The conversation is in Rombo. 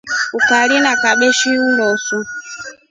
Ukari na kabeshi ulosu.